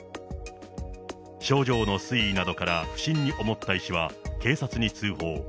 症状の推移などから不審に思った医師は、警察に通報。